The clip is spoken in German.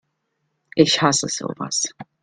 Ich hasse sowas!